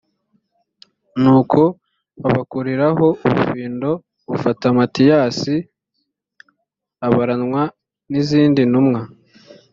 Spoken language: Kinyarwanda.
nuko babakoreraho ubufindo bufata matiyasi abaranwa n’izindi ntumwa